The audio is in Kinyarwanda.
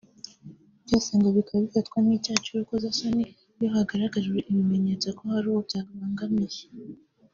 byose ngo bikaba bifatwa nk’icyaha cy’urukozasoni iyo hagaragajwe ibimenyetso ko hari uwo byabangamiye